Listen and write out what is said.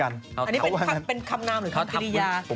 อันนี้เป็นคำนามหรือคำกิริยา